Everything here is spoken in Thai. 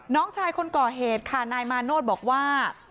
น้องชายคนก่อเหตุค่ะนายมาโนธบอกว่า